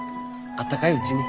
あったかいうちに。